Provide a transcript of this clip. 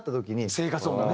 生活音がね。